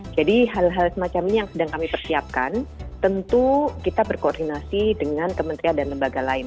hal hal semacam ini yang sedang kami persiapkan tentu kita berkoordinasi dengan kementerian dan lembaga lain